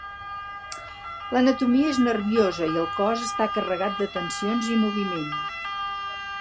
L'anatomia és nerviosa, i el cos està carregat de tensions i moviment.